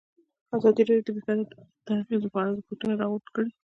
ازادي راډیو د بیکاري د اغېزو په اړه ریپوټونه راغونډ کړي.